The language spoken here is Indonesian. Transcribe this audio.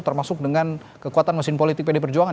termasuk dengan kekuatan masing masing pdi perjuangan